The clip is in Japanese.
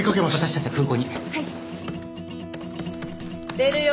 出るよ。